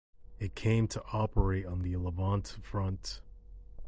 It came to operate on the Levante front.